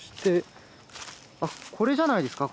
これじゃないですか。